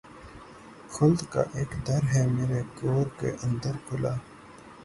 خلد کا اک در ہے میری گور کے اندر کھلا